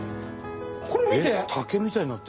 これ見て。